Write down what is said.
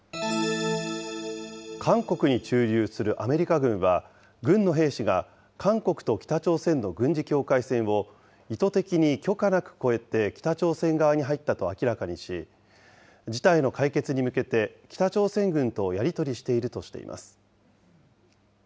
韓国に駐留するアメリカ軍は、軍の兵士が韓国と北朝鮮の軍事境界線を、意図的に許可なく越えて、北朝鮮側に入ったと明らかにし、事態の解決に向けて、北朝鮮軍とやり取りしているとしています。